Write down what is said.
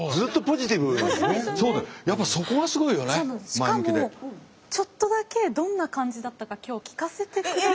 しかもちょっとだけどんな感じだったか今日聞かせてくださる。